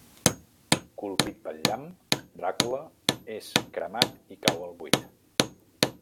Colpit pel llamp, Dràcula és cremat i cau al buit.